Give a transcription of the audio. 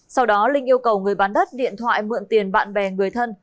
sau đó linh yêu cầu người bán đất điện thoại mượn tiền bạn bè người thân